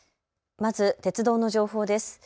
まず鉄道の情報です。